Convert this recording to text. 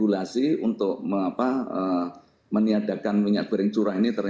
lebih dari enam tahun